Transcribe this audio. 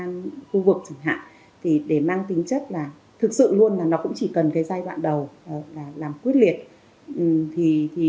công an khu vực chẳng hạn thì để mang tính chất là thực sự luôn là nó cũng chỉ cần cái giai đoạn đầu là làm quyết liệt